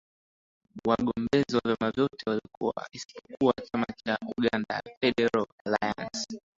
wagombezi wa vyama vyote walikuwa isipokuwa wa chama cha uganda federal allaince